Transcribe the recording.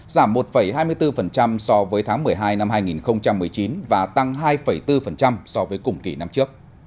giảm một hai mươi bốn so với tháng một mươi hai năm hai nghìn một mươi chín và tăng hai bốn so với cùng kỳ năm trước